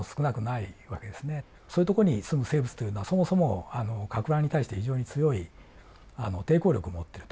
そういうとこに住む生物というのはそもそもかく乱に対して非常に強い抵抗力を持ってると。